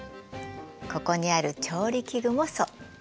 ここにある調理器具もそう。